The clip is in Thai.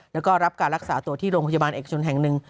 แล้วก็รับการรักษาตัวที่โรงพยาบาลเอกชนแห่งหนึ่ง